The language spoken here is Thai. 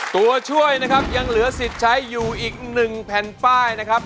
ตัวช่วยนะครับยังเหลือสิทธิ์ใช้อยู่อีก๑แผ่นป้ายนะครับ